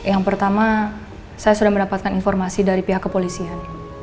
yang pertama saya sudah mendapatkan informasi dari pihak kepolisian